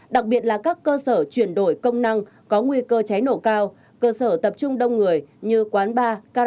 đặc biệt là các cơ sở chuyển đổi công năng có nguy cơ cháy nổ cao cơ sở tập trung đông người như quán bar karaoke nhà cao tầng